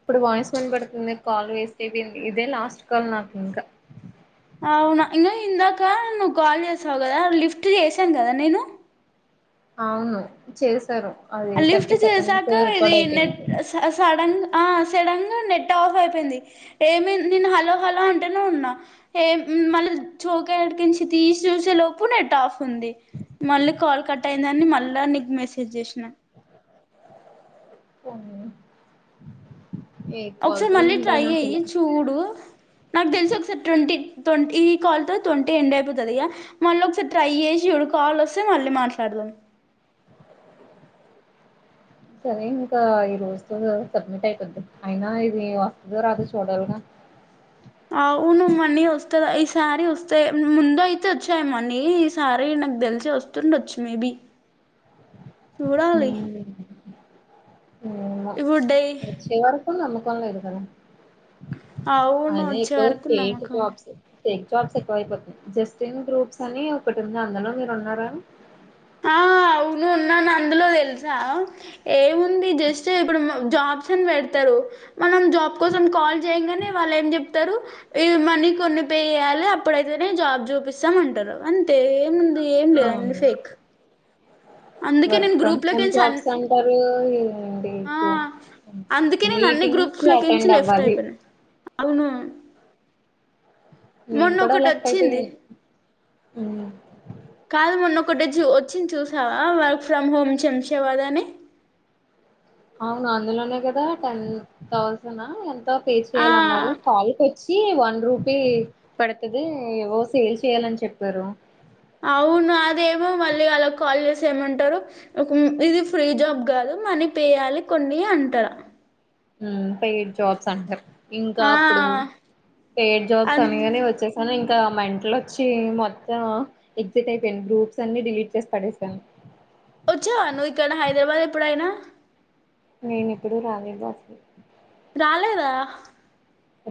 ఇప్పుడు వాయ్స్ విన్ పడుతుంది కాల్ వేస్ట్అయిపోయింది ఇదే లాస్ట్ కాల్ నాకింకా అవునా ఇగ ఇందాక నువ్వు కాల్ చేసావ్ కదా లిఫ్ట్ చేసాను కదా నేను అవును చేశారు అది లిఫ్ట్ థర్టీ సెకండ్స్ చేసాక ఇది రికార్డ్ నెట్ అయిపోయింది స సడన్ ఆ సడన్ గా నెట్ ఆఫ్ అయిపోయింది ఏమి నేను హలో హలో అంటేనే ఉన్నా ఏ మళ్ళీ చోకటినిన్చి తీసి చూసే లోపు నెట్ ఆఫ్ ఉంది మళ్ళీ కాల్ కట్ అయిందని మళ్ళా నీకు మెసేజ్ చేసినా ఎయిట్ ఒకసారి కాల్స్ అయి మళ్ళీ ఉంటాయి ట్రై నాకు అయ్యి ఇలా చూడు నాకు తెలిసి ఒకసారి ట్వంటీ ట్వంటీ ఈ కాల్ తో ట్వంటీ ఎండ్ అయిపోతది ఇక మళ్ళీ ఒకసారి ట్రై చేసి ఇప్పుడు కాల్ వస్తే మళ్ళీ మాట్లాడదాం సరే ఇంకా ఈ రోజుతో సబ్మిట్ అయిపోది అయినా ఇది వస్తదో రాదొ చూడాలిగా అవును మనీ వస్తద ఈసారి వస్తే ముందు అయితే వచ్చాయి మనీ ఈసారి నాకుదెల్సి వస్తుండొచ్చు మేబి చూడాలి ఇంగ ఇప్పుడు డై వచ్చేవర్ నమ్మకం లెద్ కదా అవును అయినా వచ్చే ఎక్కువ వరకు నమ్మ ఫేక్ కం జాబ్స్ ఫేక్ జాబ్స్ ఎక్కువ అయిపోతున్నాయి జస్టిన్ గ్రూప్స్ అని ఒకటి ఉంది అందులో మీరు ఉన్నారా ఆ అవును ఉన్నాను అందులో తెల్సా ఏముంది జస్ట్ ఇప్పుడు జాబ్స్ అని పెడతారు మనం జాబ్ కోసం కాల్ చేయంగానే వాళ్ళు ఏం చెప్తారు ఈ మనీ కొన్ని పే చేయాలి అప్పుడైతేనే జాబ్ చూపిస్తామ్ అంటారు అంతేఏ ముంది ఏం లేదండి అవును ఫేక్ అందుకే వర్క్ నేను ఫ్రమ్ హోమ్ గ్రూప్లోకించి అన్ జాబ్స్ అంటారు ఇన్ డి ఆ కు అందుకే నేను అన్ని మీటింగ్స్ గ్రూప్స్ కి లోకించి అటెండ్ లెఫ్ట్ అవ్వాలి అయిపోయినా అవును నేను మొన్న కూడా ఒకటి లెఫ్ట్ అయిపోయ్ వచ్చింది న ఉమ్ కాదు మొన్న ఒకటే వచ్ వచ్చింది చూసావా వర్క్ ఫ్రమ్ హోమ్ చెమ్సేవాదని అవును అందులోనే కదా టెన్ థౌసనా ఎంత పే ఆ చేయాలన్నారు కాల్కోచ్ సి వన్ రూపీ పడుతది ఎవో సేల్ చేయాలని చెప్పారు అవును అదేమో మళ్ళీ వాళ్ళ కాల్ చేస్తే ఏమంటారు ఒక ఇది ఫ్రీ జాబ్ కాదు మనీ పే చేయాలి కొన్ని అంటార్ ఉమ్ పెయిడ్ జాబ్స్ అంటారు ఇంకా ఆ అప్పుడు పెయిడ్ అ జాబ్స్ అనగానే వచ్చేసాను ఇంక్ గ మెంట్లో వచ్చి మొత్తం ఎగ్జిట్ అయిపోయింది గ్రూప్స్ అన్ని డిలీట్ చేసి పడేసాను వచ్చావ నువ్వు ఇక్కడ హైదరాబాద్ ఎప్పుడైనా నేను ఏ ప్పుడు రాలే బా రాలేదా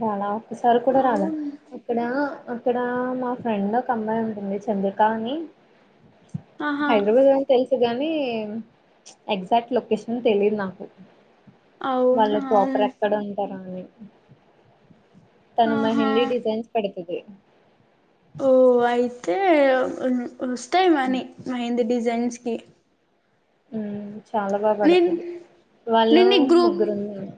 రానా ఒకసారి కూడా రాలా అవును ఇక్కడ ఇక్కడ మా ఫ్రెండ్ ఒక అమ్మాయి ఉంటుంది చంద్రిక అని ఆహా హైదరాబాద్ అని తెల్స్ గాని ఎగ్జాక్ట్ లొకేషన్ తెలియదు నాకు వాళ్ళ అవునా ప్రాపర్ అక్కడే ఉంటారా? [unintelligible] తను నాహిందీ ఆహా డిజైన్స్ పడ్ ఇదే ఓ అయితే ఉన్ ఉన్స్ తే గని మెహంది డిజైన్స్ [unintelligible] ఉమ్ చాలా బాగా నేను పెడ్తాది వాళ్ళు నేను ఈ గ్రూప్ ముగ్గురు ఉన్నారు.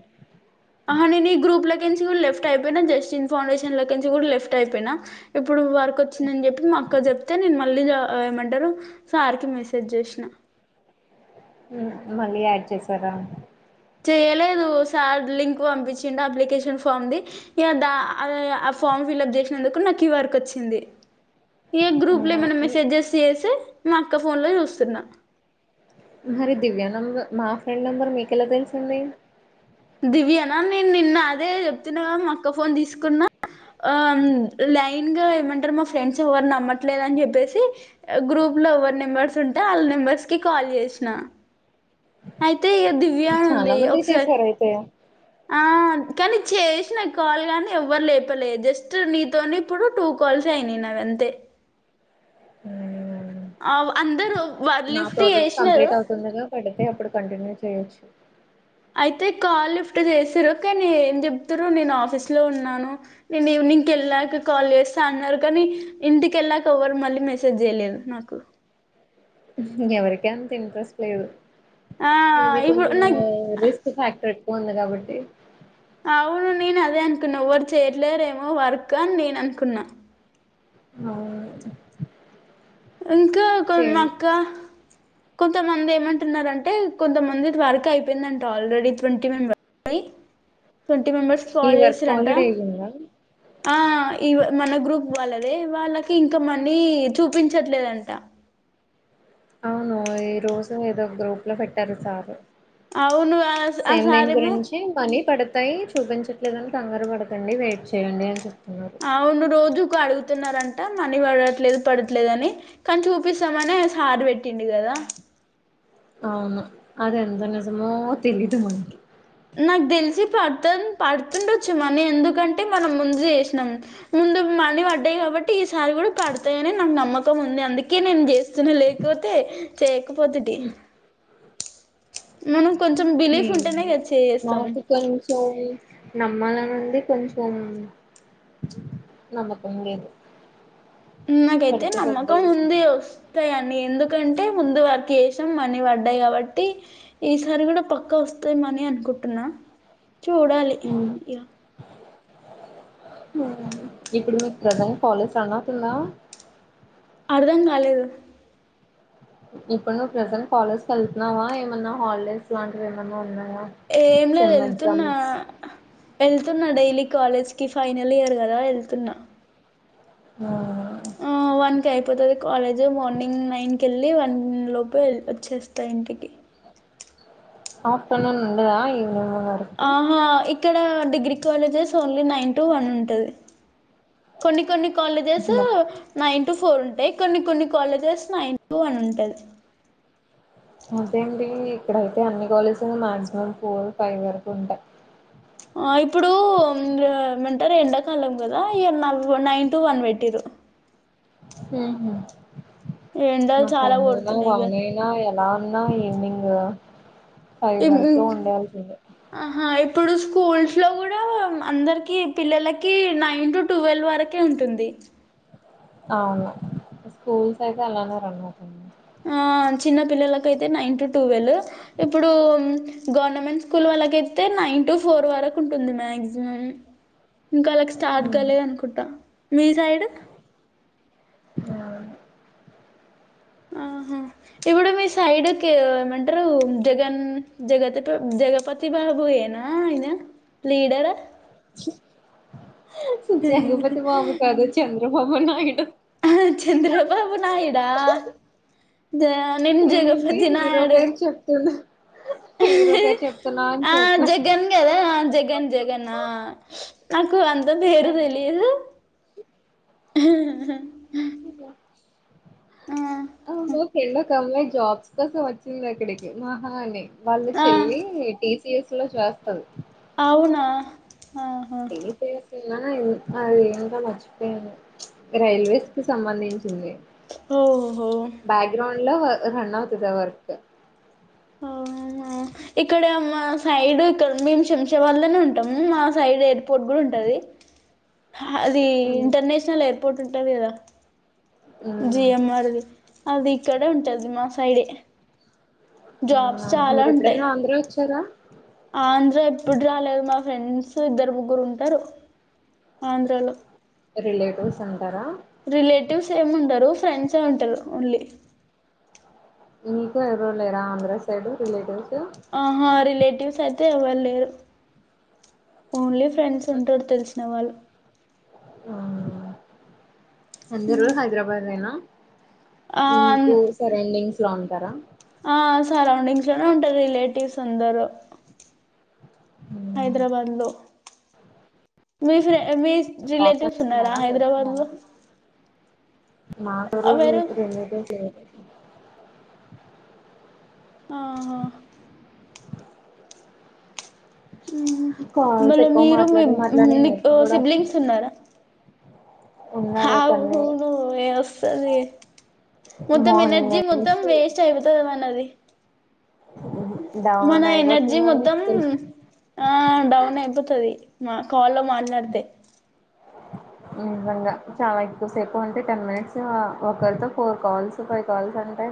నుంచి కూడా లెఫ్ట్ అయితే జస్ట్ ఇన్ఫర్మేషన్ లేపించి కూడా లెఫ్ట్ అయిపోయిన ఇప్ ఇప్పుడు వర్క్ వచ్చిందని చెప్పి మా అక్క చెప్తే నెన్ మా మెలిగా ఏం అంటారు సార్కి మెసేజ్ చేసిన ఉమ్ మళ్ళీ యాడ్ చేసారా చేయలేదు సార్ లింక్ పంపించిండు అప్లికేషన్ ఫామ్ది ఏద అల్ ఆ ఫామ్ ఫిల్ప్ చేసినందుకు నా ఈ వర్కి వచ్చింది ఏ గ్రూప్ లో అవునా ఏమన హ్మ్. మెసేజెస్ట్ చేసి మా అక్క ఫోన్ లో చూస్తున్నా మరి దివ్య నంబర్ మా ఫ్రెండ్ నెంబర్ మీకెలా తెలిసింది? దివ్యనా నేను నిన్న అదే చెప్తున్నా కదా మా అక్క ఫోన్ తీసుకున్నా, ఉమ్ లైన్ గా ఏమంటారు మా ఫ్రెండ్స్ ఎవరు నమట్లేదు అని చెప్పేసి గ్రూప్ లో ఎవరు నెంబర్స్ ఉంటే వాళ్ళ నెంబర్స్ కి కాల్ చేసిన అయితే ఈ దివ్ వ్య చాలా ఉంది మంది ఒకసారి చేశారు అయితే ఆ కానీ చేసిన కాల్ గానీ ఎవ్వరు లేపలే జస్ట్ నీతోనే ఇప్పుడు టూ కాల్స్ అయినాయ్ నది అంతే మ్మ్ అవ్ అందరు నా ప్రాజెక్ట్ కంప్లీట్ అవుతుందిగా పెడితే అప్పుడు కంటిన్యూ చేయొచ్చు అయితే కాల్ లిఫ్ట్ చేసిరు కానీ ఏం చెప్తారు నేను ఆఫీస్ లో ఉన్నాను, నేను ఈవినింగ్కి వెళ్ళాక కాల్ చేస్తా అన్నారు, కానీ ఇంటికి ఏళ్లినక ఎవరు మళ్ళీ మెసేజ్ చేయలేదు నాకు ఎవరికి అంత ఇంట్రెస్ట్ లేదు. ఆ మేబి కొంచం ఇప్పుడు నాకు రిస్క్ ఫ్యాక్టర్ పోంది కాబట్టి అవును నేను అదే అనుకున్నా ఎవ్వరు చేయట్లేరేమో వర్క్ అని నేను అనుకున్నా అవున్ ఇంకా కొని అక్క కొంతమంది ఏమంటున్నారంటే కొంతమంది వర్క్ అయిపోయిందంట ఆల్రెడీ ట్వంటీ మెంబర్యి ట్వంటీ మెంబర్స్ కి ఈ కాల్ వర్క్ చేసిన్లు అంట ఆల్రెడీ అయ్యిందా ఆ ఇ మన గ్రూప్ వాళ్ళదే వాళ్ళకి ఇంకా మన్ని చూ చూపించట్లేదంట అవును ఈ రోజు ఏదో గ్రూప్ లో పెట్టారు సార్ అవును ఆ ఆ సేమ్ దీని సారేమో గురించి పని పడతాయి చూపించట్ లేద కంగారు పడకండి వెయిట్ చేయండి అని చెప్ అవును రోజు కాడుు చతున్నారంట మనీ పడట్లేదు పడట్లేదు అని కానీ చూపిస్తామని సార్ పెట్టింది కదా అవును అద ఎంత నిజమో తెలీదు మనకి నాకు తెలిసి పడుతు పడుతుండొచ్చు మనీ ఎందుకంటే మనం ముందు చేసినాం ముందు మనీ పడ్డాయి కాబట్టి ఈసారి కూడా పడతాయిని నాకు నమ్మకం ఉంది అందుకే నేను చేస్తున్నా లేకపోతే చే పోతుటి మన నాకు తె చ నమ్మలా వంది కొంచం నమకండేదు ఉ నాకైతే నమ్మక ఉంది వస్తాయిని ఎందుకంటే ముందు వారికి వసాం మనీ పడ్డాయి కాబట్టి ఈసారి కూడా పక్కా వస్తాయి మనీ అనుకుంటున్నా చూడాలి ఇక ఇప్పుడు మీకు ప్రజెంట్ కాలేస్ అన్న తలా అర్ధం కాలేదు ఇప్పుడు నువ్వు ప్రెజెంట్ కాలేజ్ క వెళ్తున్నావా ఏమన్నా హాలిడేస్ లాంటివి ఏమన్నా ఉన్నా ఏం లేదు వెళ్తున్నా వెళ్తున్నా డైలీ కాలేజ్ కి ఫైనల్ ఇయర్ కదా వెళ్తున్నా ఆ ఆ వన్ కి అయిపోతుది కాలేజ్ మార్నింగ్ నైన్ క వెళ్ళి వన్ లోప వచ్చేస్తా ఇంటికి ఆపన ఉండదా కొన్నమకు ఆహా ఇక్కడ degree colleges only nine to one ఉంటది కొన్ని కొన్ని కజ్స్ నైన్ ఫోర్ ఉంటాయి కొన్ని కొన్ని కాలేజెస్ నైన్ వన్ ఉంటది అదే అండి ఇక్కడయితే అన్ని కాలేజీలు మాక్సిమం ఫోర్ ఫైవ్ వరకు ఉంటాయి ఆ ఇప్పుడు ఏమంటారు ఎండాకాలం కదా ఇ నైన్ టు వన్ పెట్టిరు హ ఎండలు మా చాలా ఫ్రంనా కొడుతున్నాయి కదా వానయినా ఎలా ఉన్నా ఈనింగ్ ఇ ఆహా ఇప్పుడు స్కూల్స్ లో కూడా అందరికి పిల్లలకి నైన్ టు ట్వెల్వ్ వరకే ఉంటుంది అవును స్కూల్స్ అయితే అలానే రన్ అవుతుంది ఆ చిన్న పిల్లలకయితే నైన్ టు టువెల్ ఇప్పుడు గవర్నమెంట్ స్కూల్ వాళ్ళకయితే నైన్ టు ఫోర్ వరకు ఉంటుంది మ్యాక్సిమం ఇంకా అలాకి స్టార్ట్ కలి అనుకుంటా మీ సైడ్ ఆ ఆహా ఇప్పుడు మీ సైడ్ క్ ఏమంటరు జగన్ జగతి జగపతి బాబూ ఏనా ఇన లీడర్ జగపతి బాబు కాదు చన్ ద్రబాబునాయుడు ఆహ్ చంద్రబాబు నాయుడా జ నేను వయింది హీరో పేరు చెప్తున్నా హీరో పేరు చెప్తున్నా అని ఆహ్ చూతున్నా జగన్ కదా జగన్ జగన్ నాకు అంత పేరు తెలియదు ఆ ఓకెళ ఒక అమ్మాయి జాబ్స్ కోసం వచ్చింది అక్కడికి మహా అని వాళ్ళు ఆ చెల్లి టీస్ సిఏస్ లో చేస్తాది అవునా ఆహా నిన్న అది ఇంకా మర్చిపోయాను రైల్వేస్ కి సంబంధించింది ఓహో బ్యాక్గ్రౌండ్ లో రన్ అవుతది ఆ వర్క్ ఆ ఉ నా ఇక్కడ మా సైడ్ ఇక్కడ మేం శంషాబాద్ల నే ఉంటం మా సైడ్ ఎయిర్పోర్ట్ కూడా ఉంటది అది ఉమ్, ఇంటర్నేషనల్ ఎయిర్పోర్ట్ ఉంటది గదా ఉమ్, జి ఎమ్ ఆర్ అని అది ఇక్కడే ఉంటది మా సైడే జాబ్స్ అవునా? చాలా మీరు ఉంటాయి ఎప్పుడైనా ఆంధ్ర వచ్చారా ఆంధ్ర ఎప్పుడు రాలేదు మాక్ ఫ్రెండ్స్ ఇద్దరు ముగ్గురు ఉంటరు ఆంధ్రాలో రిలేటివ్స్ ఉంటరా రిలేటివ్స్ ఏమి ఉండరు ఫ్రెండ్స్సే ఉంటరు ఓన్లీ మీకు ఎవరు లేరా ఆంధ్ర సైడ్ రిలేటివ్స్ ఆహా రిలేటివ్స్ అయితే ఎవరులేరు ఓన్లీ ఫ్ ఫ్రెండ్స్ ఉంటరు తెలిసిన వాళ్ళు అవునా అందరు హైదరాబాదేనా ఆ మీకు సరౌండింగ్స్ లో ఉంటారా ఆ సరౌడింగ్ గ్స్లానే ఉంటరు రిలేటివ్స్ అందరు హైదరాబాద్ లో మీ ఫ్రె మీ జాబ్ రిలేటివ్స్ ఉన్నరా చేస్తున్నారా హైదరాబాద్ లో మాదరు వేరే రూప్ చేయద్దు చేయ ఆహా కాల్స్ మళ ఎక్కువ మీరు మీ మాట్లాడి మాట్లాడి నీరసం కూడా వస్తుంది సిబ్లింగ్స్ ఉన్నారా ఉన్నారు ఒక అవు అన్నయ్య హును ఏ వస్ తదే మొత్తం మార్నింగ్ ఎనర్జీ మొత్తం నుంచి వేస్ట్ అయిపోతంది అన్నది మన డౌన్ ఎనర్జీ అయిపోతున్నాను మొత్తం ఆ డౌన్ అయిపోతది నా క్ ఫోన్ లో మాట్లాడితే ని నిజంగా చాలా ఎక్కువసేపు ఉంటే టెన్ మినిట్స్ ఒకరితో ఫోర్ కాల్స్ ఫైవ్ కాల్స్ అంటే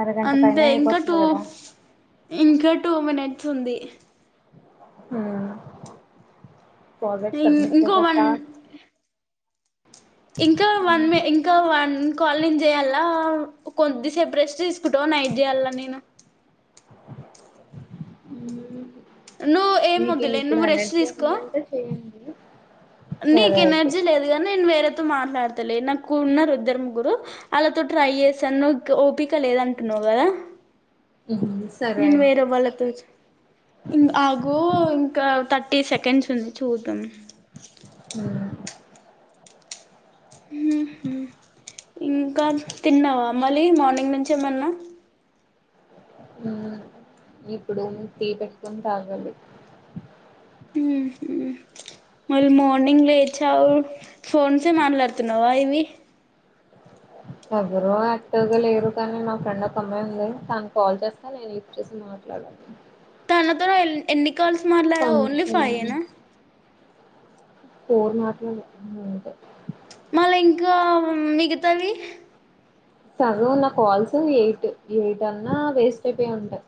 అరగంట అంతే పైనే ఇంకా టూ అయిపోతుంది కదా ఇంకా టూ మినిట్ వస్తుంది అ ప్రాజెక్ట్ ఇం సబ్మిట్ ఇంకో వన్ చేసేస్తా ఇంకా వన్ ఇంకా వన్ కాలింగ్ చేయాలా కొద్ది సేప్ ప్రేస్ట్ జ్ ఫోటో అన్న యాట్చేయాలన నేను ఉ నువ్వు ఏం మీకేమి వద్దులే ఇప్పుడు నువ్వు రెస్ట్ ఎనర్జీ తీసుకో ఉందంటే చెయండి నీకు ఎనర్జీ లేదు గాని నేను వేరే మాట్లాడతలే నాకు ఉన్న ఇద్దర్ ముగురు అలాతో ట్రై చేసాను నువ్వు ఓపిక లేదంటున్నావు కదా సరే నేను అయితే వేరే వాళ్లతో ఇం ఆగూ ఇంకా థర్టీ సెకండ్స్ ఉంది చూద్దం హ ఇంకా తిన్నావా మళ్ళీ మార్నింగ్ నుంచి ఏమన్నా ఉ ఇప్పుడు టీ పెట్టుకొని తాగాలి మళ్ళీ మార్నింగ్ లేచావు ఫోన్సే మాట్లాడుతున్నావా ఇవి ఎవరు యాక్టివ్గా లేరు కానీ మా ఫ్రెండ్ ఒక అమ్మాయి ఉంది తాను కాల్ చేస్తా నేను లిఫట్ చేసి మాట్లాడను తనతో ఎన్ని కాల్స్ మట్లాడా ఓన్లీ కొంచెం ఫయే నా పోూర్నాటం ఉందే మళ్ళా ఇంకా మిగతావి సదు నా కాల్స్ ఎయిట్ ఎయిట్ అన్నా వేస్ట్ అయిపోయి ఉంటయి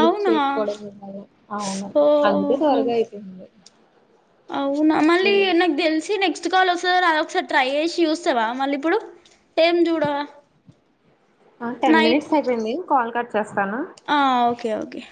లిప్ అవునా చేయకపోవడం మేలు అవును అందుకే ఓహో త్వరగా అయిపోంది అవునా మల్ న నాగ్ తెల్సి నెక్స్ట్ తెచ్చుకోవాలి ఒకసారి అది ఒకసారి ట్రై చేసి చూస్తావా మళ్ళీ ఇప్పుడు ఏం జూడ టెన్ నయిట్ మినిట్స్ అయిపోయింది కాల్ కట్ చేస్తాను ఓకే ఓకే